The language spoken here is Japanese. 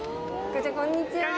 こんにちは。